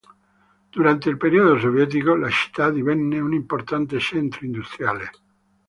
Durante il periodo sovietico, la città divenne un importante centro industriale.